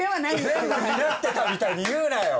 全部担ってたみたいに言うなよ。